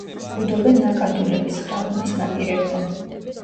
ბუდობენ ნაკადულების, ხრამების ნაპირებზე.